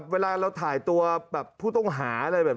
เวลาเราถ่ายตัวผู้ต้องหา